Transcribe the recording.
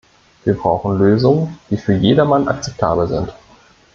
Wir brauchen Lösungen, die für jedermann akzeptabel sind.